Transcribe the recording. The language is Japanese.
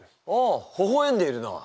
あほほえんでいるな。